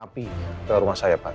tapi berumah saya pak